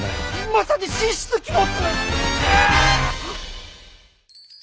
まさに神出鬼没！